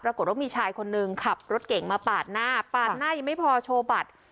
ปรากฏว่ามีชายคนนึงขับรถเก่งมาปาดหน้าปาดหน้ายังไม่พอโชว์บัตร